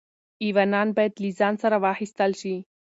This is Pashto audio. ایوانان باید له ځان سره واخیستل شي.